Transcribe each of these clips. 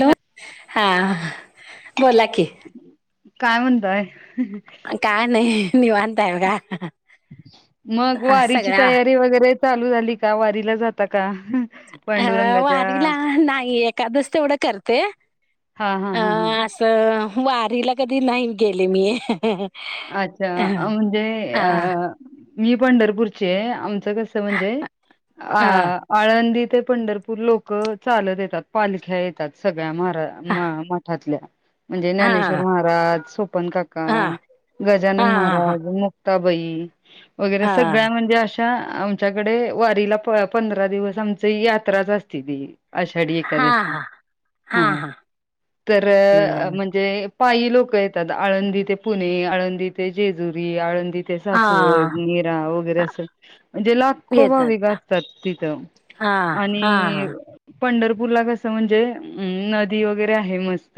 Hello! हा बोला की. काय म्हणताय? काय नाही निवांत हाय बघा. मग वारीची सगळ्या तयारी वगैरे चालू झाली, का वारीला जाता का? अ पांडुरंगाच्या वारीला नाही एकादस तेवढं करते हा हा अ हा हा. असं वारीला कधी नाही गेले मी. अच्छा! हा म्हणजे अ हा मी पंढरपूरची आहे. आमचं कस म्हणजे हा आळंदीत ते पंढरपूर लोक चालत येतात, पालक्या येतात सग सगळ्या हा महा मठातल्या म्हणजे ज्ञानेश्वर हा महाराज सोपान काका हा गजानन हा महाराज मुक्ताबाई वगैरे हा सगळ्या म्हणजे अ आमच्याकडे वारीला पंधरा दिवस आमची यात्राच असती ती. आषाढी एकादशी हा तर हम्म म्हणजे पायी लोक येतात, आळंदी ते पुणे आळंदी ते जेजुरी आळंदी तिथे हा सासवड निरा वगैरे अस म्हणजे लाखो येतात भाविक असतात तिथं. हा हा आणि हा पंढरपूरला कसं म्हणजे नदी वगैरे आहे मस्त मस्त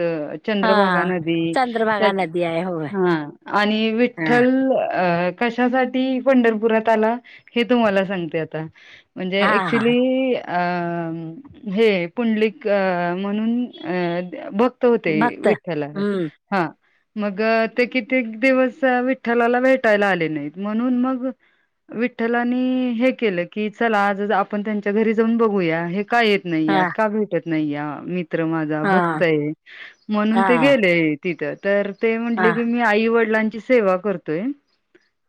चंद्रभागा हा नदी चंद्रभागा त्या नदी आहे होय हा आणि हा विठ्ठल अ कशासाठी पंढरपुरात आला, हे तुम्हाला सांगते आता. म्हणजे हा हा ऍक्च्युली अ हे पुंडलिक म्हणून भक्त होते, भक्त विठ्ठला हम्म गत ते कितीेक दिवस विठ्ठलाला भेटायला आले नाहीत, म्हणून मग विठ्ठलानी हे केलं की चला आज आपण त्यांच्या घरी जाऊन बघूया हे का येत नाही हा यात, का भेटत नाही या मी मित्र माझा भक्त हा आहे, म्हणून ते हा गेले तिथ तर ते हा म्हटले, की मी आई वडिलांची सेवा करतोय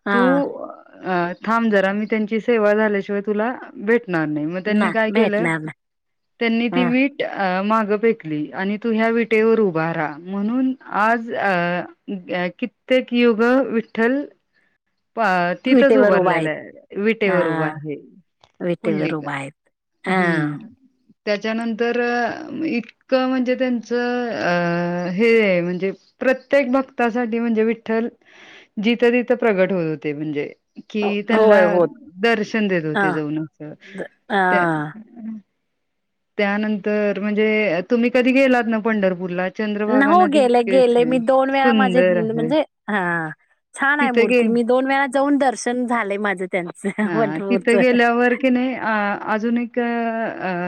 हा तू अ थांब जरा मी त्यांची सेवा झाल्याशिवाय तुला भेट णार नाही मग ना त्यांनी काय केलं भेटणार ना त्यांनी ती हा वीट अ मागं फेकली आणि तू ह्या विटेवर उभा राहा म्हणून, आज अ कित्येक युग विठ्ठल अ तिथंच विटेवर उभा उभारलेलं आहेत आहे, हा विटेवर उभा आहे विटेवर पुंडलिका उभा आहेत हा हम. त्याच्या नंतर इतकं म्हणजे त्यांच अ हे म्हणजे प्रत्येक भक्तासाठी म्हणजे, विठ्ठल जिथं तथं प्रगट होत होते म्हणजे कि त्यांना होय होत दर्शन देत ह होते जाऊन. तेम त्यानंतर म्हणजे तुम्ही कधी गेलात ना पंढरपूरला. ह चंद्रभागा हो नदी गेले गेले आहे मी दोन वेळा माझे सुंदर आहे म्हणजे हा. छान आहे तिथे गे मूर्ती मी दोन वेळा जाऊन दर्शन झाले माझं त्यांचं हा पंढरपूरच. तिथे गेल्यावर की अजून एक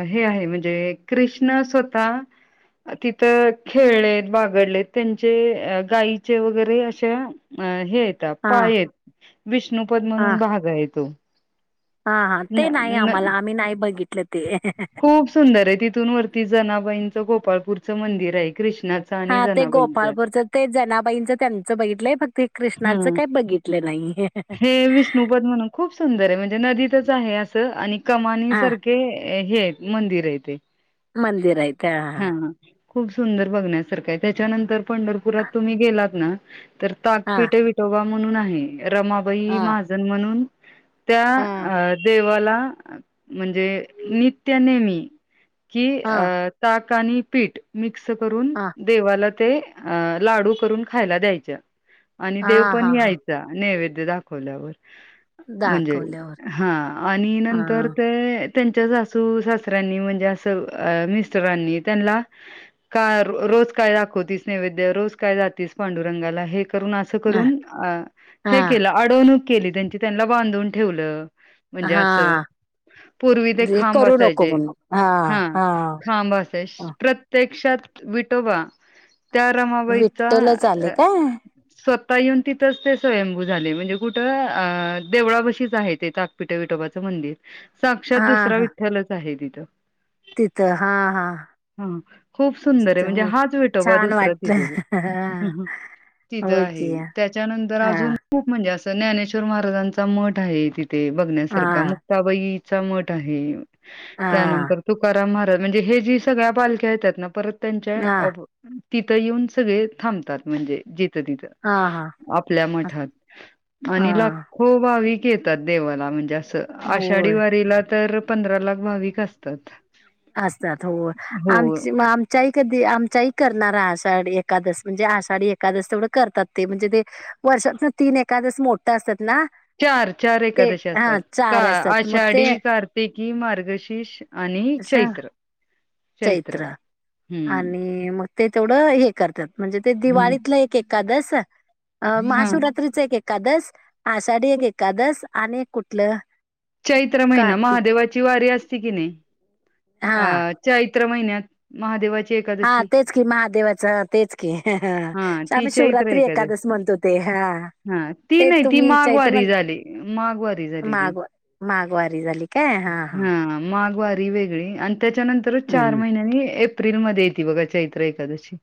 हे आहे म्हणजे कृष्ण स्वतः तिथं खेळलेत बागडलेत. त्यांचे गायीचे वगैरे अशा अ हे आहेत. हा पाय विष्णुपद हा म्हणून भागा य तो. हा हा न ते नाही न आम्हाला आम्ही नाही बघित. खूप सुंदर आहे तिथून वरती जनाबाईंचं गोपाळपूरचं मंदिर आहे. कृष्णाचं आणि हा ते जनाबाईंचं गोपाळपूरचं ते जनाबाईंचं त्यांचं बघितलंय फक् ते ह कृष्णाचं काय बघितलं. नाही हे विष्णुपद म्हणून खूप सुंदर आहे म्हणजे नदी आहे अस कमा हा सार. हे मंदिर आहे तेे मंदिर यत ह ह. खूप सुंदर बघण्यासारखं आहे त्याच्यानंतर पंढरपुरात तुम्ही गेलात ना. तर हा ताकपीटे विटोबा म्हणून आहे हा रमाबाई महाजन म्हणून त्या हा अ देवाला म्हणजे नित्य नेमी. कि हा ताक आणि पीठ मिक्स करून हा देवाला. ते लाडू करून खायला द्यायचा आणि देव हा हा पण हा यायचा नैवेद्य दावल्यावर म्हणजे दाखवल्यावर हा आणि हा नंतर ते. त्यांच्या सासू सासऱ्यांनी म्हणजे अस मिस्टरांनी त्यांना रोज काय दाखवतीस नैवेद्य रोज काय जातीस पांडुरंगाला हे. अस हा करून हे केलं हा अडवणूक केली त्यांची त्यांना बांधून ठेवलं. म्हणजे असं. हा पूर्वी ते जे खांब करू नको असायचे म्हणून हा खांबय हा. प्रत्येक विठोबा त्या रमाबाईचा विठ्ठलच आले काय ता येऊन तिथंच ते स्वयंभू झाले म्हणजे कुठं अ देवळा बशीच आहे ते तपिट विटोबाच. मंदिर साक्षात दुसरा विठ्ठ्यालच आहे तिथं. तिथ हा हा. हा खूप सुंदर आहे च- म्हणजे हो हाच विेटोबा छान दुसराच वाटलं तिथे. हा तिथं होय आहे की हा त्याच्यानंतर अजून खूप म्हणजे असं. ज्ञानेश्वर महाराजांचा मठ आहे तिथे हा बघण्यासारखा हा मुक्ताबाईचा मठ आहे. हा त्यानंतर तुकाराम महाराज म्हणजे हे जी सगळ्या पालख्या येतात ना परत. हा त्यां तिथ येऊन सगळे थांबतात म्हणजे तथ हा आपल्या मठात आणि हा लाखो भाविक. येतात देवाला म्हणजे असं आषाढी होय वारीला तर पंधरा लाख भाविक असतात. असतात हो हो आम आमच्याही कधी आमच्याही करणारा. एकादस म्हणजे आषाढी एकादस तेवढं करतात ते म्हणजे ते वर्षात तीन एकादस मोठं असतात. ना चार चार ते एकादशी हा असतात का चार असतात मग ते आषाढी कार्तिक कि मार्गशीष आणि असं चैत्र. चैत्र हम्म. आणि मग ते तेवढं हे करतात. म्हणजे ते हम्म दिवाळीतलं एक एकादस हा महाशिवरात्रीच एक एकादस. आषाढी एक एकादस आणि एक कुठलं. चैत्र महिना कार्तिक महादेवाची वारी असती की नाही हा अ चैत. महिन्यात महादेवा. हा तेच की महादेवाच तेच की हा ती आम्ही चैत्र शिवरात्री एकादशी एखकादस म्हणतो ते हा. हा ती ते नाही ती तुम्ही चैत्र माघवारी झाली माघवारी झाली ती. माग माघवारी झाली काय हा हा माघवारी वेगळी आणि त्याच्यानंतरच चार हम्म महिन्यानी एप. एप्रिल मध्ये येती बघा चैत्र एकादशी...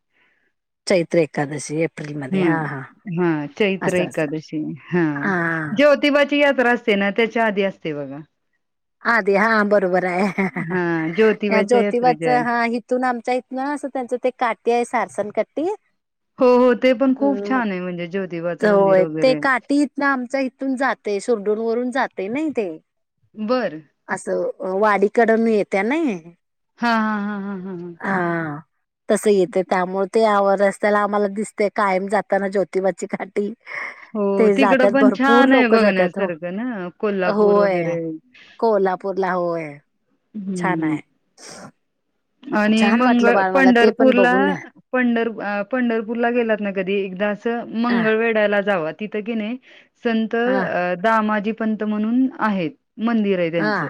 चैत्र एकादशी एप्रिल मध्ये हा हा हम्म हा चैत्र असं असं एकादशी हा..... हा ज्योतिबाची यात्रा असते ना त्याच्या आधी असते बघा... आधी हा बरोबर आहे हं.. ह.. हा ह.... या ज्योतिबाच्या ज्योतिबाच यात्रेच्या आहे हा हितुन आमच्या इथनं असं त्यांचं ते काठी आहे सासण काठी.... हो हो ते पण खूप ह्म्म.. मग छान आहे म्हणजे ज्योतिबाचं मंदिर होय ते वगैरे काठी इतनं आमच्या इथून जात.... ते सुरडून वरून जाते नाही... ते बरं... असं वाडीकडून येत्या नाही... हा हा हा हा हा हा... तस येते त्यामुळ ते आव रस्त्याला आम्हाला दिसते कायम जाताना ज्योतिबाची काठी.... ह... हो ते तिकड जातात पण भरपूर छान आहे लोक जातात हो बघण्यासारखं ना कोल्हापूर वगैरे... कोल्हापुरला होय.... छान हम्म आहे आणि छान वाटलं मंगळ बाळ मला ते पण पंढरपूरला बघून पंढर अ.. पंढरपूरला गेलात ना कधी एकदा.... असं.. हा मंगळवेढ्याला जावा... तिथं कोणाही संत हा अ दामाजी पंत म्हणून आहेत... मंदिर आहे हा त्यांच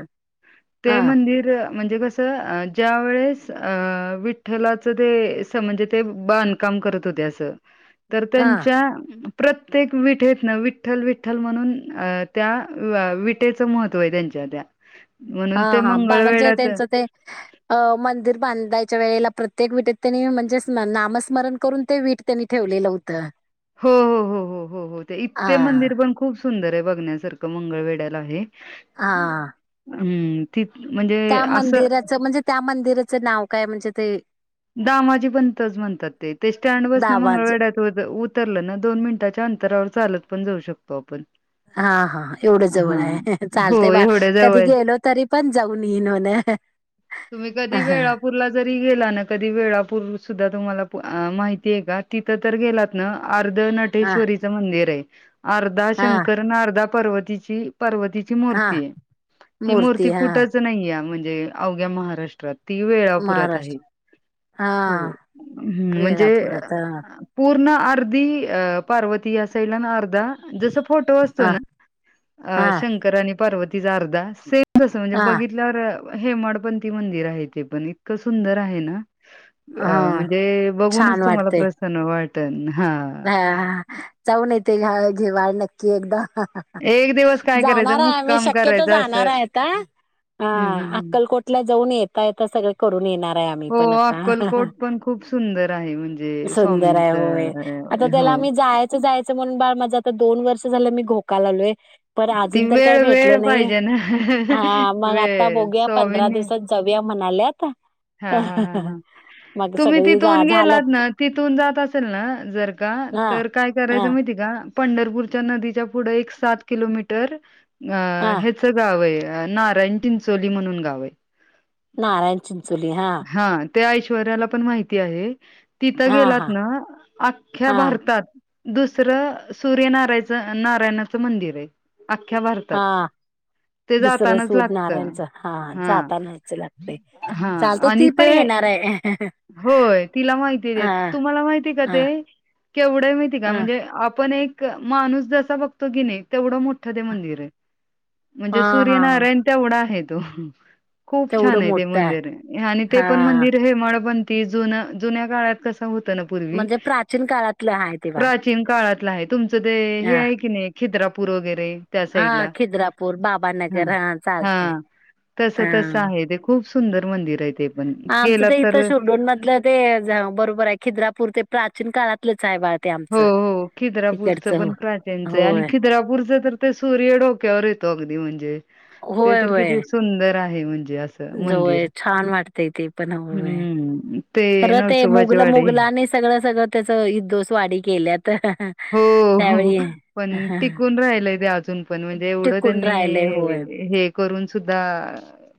ते हा मंदिर म्हणजे कस अ ज्या... स अ.. विठ्ठलाच ते सम-म्हणजे ते बांधकाम करत होते असं... तर हा त्यांच्या... प्रत्येक विठेतनं विठ्ठल विठ्ठल म्हणून अ.. त्या अ विठेचं महत्त्व आहे त्यांचे... त्या हा म्हणून ते हा बा म्हणजे मंगळवेढयात.... त्यांचं ते अ मंदिर बांधायच्या वेळेला प्रत्येक विटेत त्यांनी म्हणजे नामस्मरण करून ते वीट त्यांनी ठेवलेलं होतं... हो हो हो हो हो हो हा इथे मंदिर पण खूप... सुंदर आहे बघण्यासारखं मंगळवेेड्याला आहे. हा... हम्म ति.. त्या मंदिराचं म्हणजे त्या मंदिराचं नाव काय म्हणजे ते... दामाजी पंतच म्हणतात ते ते स्टँड पसनं दावान मंगळवेड्यात उत -उतरलं ना दोन मिनिटाच्या अंतर... तरावर चालत पण जाऊ शकतो आपण... हा हा एवढं जवळ हां. आहे हो, चालतंय बा एवढ्या कधी जवळ गेलो तरी पण जाऊन येईन होन... तुम्ही कधी वेळापूरला जरी... गेला ना कधी वेळापूर सुद्धा तुम्हाला अ.. माहितीय का तिथं तर गेलात ना... अर्ध हा नटेश्वरीचं मंदिर आहे... अर्धा हा शंकर आण अर्धा पार्वतीची.. पार्वतीची हा मूर्ती आहे ती मूर्ती कुठच नाहीय म्हणजे अवघ्या महाराष्ट्रात... ती वेळापुरात आहे... महाराष्ट्र हा हो ह्म्म म्हणजे वेळापुरात हा पूर्ण.... अर्धी अ पार्वती असेल आणि अर्ध... र्धा जस फोटो असतो हा ना अ.. हा शंकर अणि पार्वतीचा अर्धा सेम.... म तसं म्हणजे हा बघितल्यावर हेमाडपंथी मंदिर आहे ते पण इतकं सुंदर आहे ना... अ.. हा. म्हणजे छान बघूनच तुम्हाला वाटते प्रसन्न वाटल. हा हा जाऊन येते घ्या-घेवा नक्की एकदा हं.. ह.. ह.... एक दिवस काय करायचं जाणार आहे आम्ही मुक्काम शक्यतो करायचा जाणार असं. आहे आता... हा हं, हं, हं. अक्कलकोटला जाऊन येता येता सगळं करून येणार... आम्ही हो, पण आता ह.. ह.. अक्कलकोट पण खूप सुंदर आहे म्हणजे ह सुंदर आहे होय... आता स्वामींचं अ, त्याला हो. मी जायचं जायचं म्हणून बा माझं आता दोन वर्ष झालं मी घोकायला लागलोय. पण ती अजून तर काही वेळ भेटले वेळ नाही पाहिजे ना. हा मग आता वेळ बघूया पंधरा दिवसात जाऊया.... म्हणाले आता... हा हा ह ह तुम्ही सगळी तिथून जा गेलात झाल्यात ना, तिथून जात असेल ना जर का हा तर काय हा करायचं, माहिती आहे का? पंढरपूरच्या नदीच्या पुढं एक सात किलोमीटर अ हा ह्याच गाव आहे. नारायण चिंचोली म्हणून गाव आहे. नारायण चिंचोली हा. त्या ऐश्वर्याला पण माहिती आहे तिथं हा गेलात हा ना, अख्ख्या हा भारतात दुसरं सूर्यनारायच नारायणाचं मंदिर आहे. अख्ख्या भारतात. हा ते दुसरं जातानाच सूर्य लागत नारायणच हा. जातानाच लागतय. हा चालत आणि ती ते पण येणार आहे. होय तिला माहिती द हा तुम्हाला माहिती का? हा ते केवढं माहिती का हा म्हणजे आपण एक माणूस जसा बघतो की नाही, तेवढं मोठं ते मंदिर आहे. हा म्हणजे हा सूर्यनारायण तेवढा आहे तो. खूप छान! तेवढं आहे ते मोठं मंदिर आणि ते पण हा मंदिर हेमांड पंती जुन जुन्या काळात कस होत ना पूर्वी म्हणजे प्राचीन काळातलं आहे ते बाळ प्राचीन काळात तुमचं ते हे हा आहे की नाही खिद्रापूर वगैरे. त्या साईड हा ला खिद्रापूर ह बाबानगर हा चालतंय तस तस हा आहे ते खूप सुंदर मंदिर आहे ते. पण. आमचं तर गेलात इथं शिर्डून मध्ये लं ते बरोबर आहे खिद्रापूर ते प्राचीन काळातलेच आहे, बाज हो हो खिद्रापूरचं पण प्राचीनचं आहे, आणि होय खिद्रापूरचं तर सूर्य डोक्यावर येतो, अगदी म्हणजे ते तर किती सुंदर आहे म्हणजे असं ज होय मंदिर. छान! वाटतयं, ते पण होय हम्म. ते खर ते नरसोबाची मुगल वाडी. मुगला आणि सगळं सगळं त्याच इदोस वाडी केल्यात हो, हो. त्यावेळी पण हा, टिकून राहिलय ते अजून पण म्हणजे एवढं टिकून त्यांनी राहिलंय होय हे करून सुद्धा.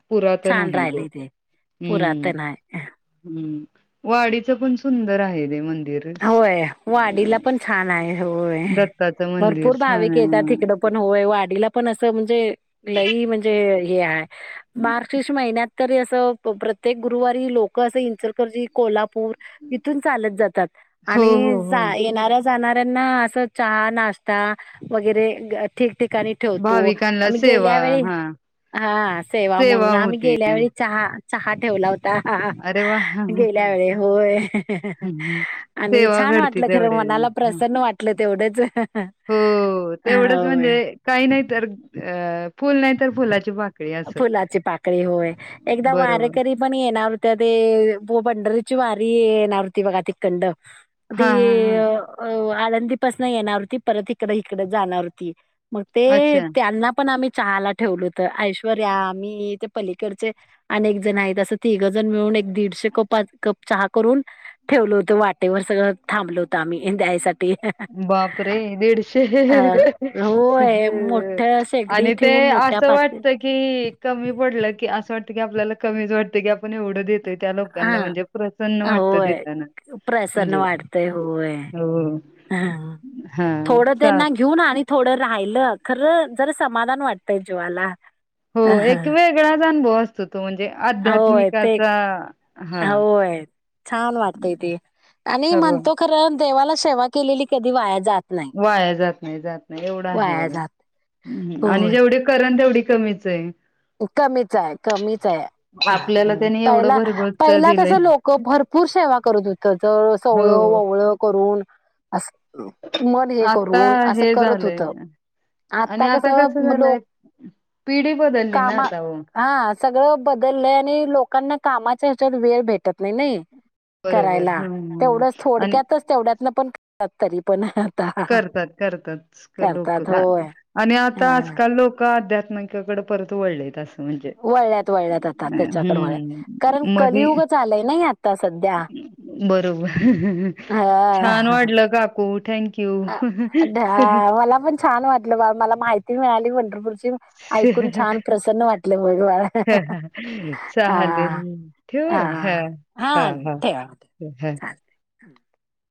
पुरातन छान आहे ज राहिलंय ते हम पुरातन आहे हम. वाडीच पण सुंदर आहे ते मंदिर. स- होय, वाडीला अं, पण छान! आहे होय. दत्ताचं मंदिर भरपूर छान भाविक येतात आहे तिकडं पण, होय वाडीला पण असं म्हणजे लई म्हणजे या मार्गशिष महिन्यात तरी असं प्रत्येक गुरुवारी लोक असं इचलकरंजी, कोल्हापूर इथून चालत जातात. हो हो आणि हो जा येणाऱ्याची जाणाऱ्यांना अस चहा, नाश्ता वगैरे ठी ठिकाणी ठेवतो, भाविकांना आम्ही सेवा गेल्या वेळी हा हा सेवा म्हणून, आम्ही गेल्या वेळी चहा चहा ठेवला होता. अरे वा गेल्या वेळी होय. हम्म. आणि सेवा छान घडती वाटलं खरं तेवढे मनाला प्रसन्न वाटलं तेवढंच. हो तेवढंच म्हणजे होय काही नाही तर अ फुल नाही तर फुलाची पाकळी. असं फुलाची पाकळी होय एकदा बरोबर वारेकरी पण येणार होते ते पंढरीत. पंढरीची वारी येणार होती तिकडं हा हा हा ती. आळंदीपासून येणार होती परत इकड इकडं जाणार होती मग ते अच्छा त्यांना पण आम्ही. चहाला ठेवलं होत ऐश्वर्या, मी, ते. पलीकडचे अनेक जण आहेत अस तिघजण मिळून एक दीडशे कप चहा करून. ठेवलं होतं वाटेवर सगळ थांबल होत आम्ही द्यायसाठी. बापरे दीडशे अ होय मोठ्या शेगडी आणि ते. ठेवून मोठ्या असं पाती वाटतं की कमी पडलं, की असं वाटतं की आपल्याला कमीच वाटते की आपण एवढं देत. त्या हा लोकांना म्हणजे प्रसन्न वाटतं होय देताना. प्रसन्न म्हणजे वाढतेय होय. हो हा हां थोडं चाल त्यांना घेऊन आणि थोडं राहिलं खरं जर समाधान वाटतय जीवाला, हो एक अहं. वेगळाच अनुभव असो, होय ते हां होय छान वाटतय ते आणि हो म्हणतो खरं देवाला सेवा केलेली कधी वाया जात नाही. वाया जात नाही जात नाही एवढं आहे वाया जात बघा आणि होय जेवढे करण तेवढी कमीच आय, कमीच आहे [unintelligible] कमीच आहे आपल्याला त्यानी [unintelligible] एवढं पहिला भरगोसच पहिला कस दिलंय लोक भरपूर सेवा करत होत ज हो सळ [unintelligible] पवळ करून, अस मन हे आता करून असं हे करत होत झालंय आणि आता कसं कस लोक झालंय पिढी बदलली ना कामा आता हो हा सगळं बदलय आणि लोकांना कामा च्यात वेळ भेटत नाही नाही बरोबर करायला हं हं. तेवढंच आणि थोडक्यातच तेवढ्यात पण तत् तरी पण, करतात करतात लोक करतात होय आणि आता हा. आजकाल लोक अध्या किवाकडे [unintelligible] परत वळलीत अस, म्हणजे वळल्यात वळल्यात आता त्याच्याकडे वळल्यात हम् कारण मधी कलियुगच आलंय नाही आता सध्या बरोबर छान हा. वाढलं काकू थँक यू. अ ा [unintelligible] मला पण छान वाटलं बा मला माहिती मिळाली पंढरपूरची ऐकून छान प्रसन्न वाटल, ह चालेल हा ठेव हा हा हा ह् हम् [unintelligible] चालतंय